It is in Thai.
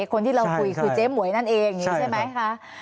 คนที่เราคุยคือเจ๊หมวยนั่นเองอย่างนี้ใช่ไหมคะ